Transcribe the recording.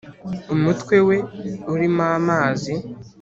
umutwe we urimo amazi